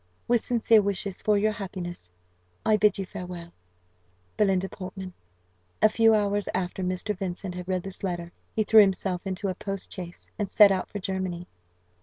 With sincere wishes for your happiness, I bid you farewell. "BELINDA PORTMAN." A few hours after Mr. Vincent had read this letter he threw himself into a post chaise, and set out for Germany.